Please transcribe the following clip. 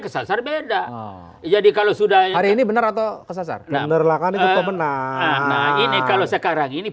kesel sel beda jadi kalau sudah hari ini benar atau kesel sel benar benar ini kalau sekarang ini